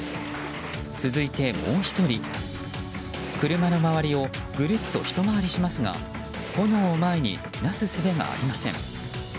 車の周りをぐるっとひと回りしますが炎を前になすすべがありません。